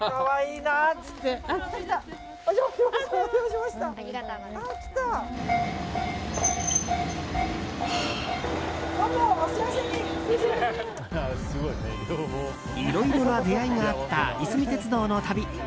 いろいろな出会いがあったいすみ鉄道の旅。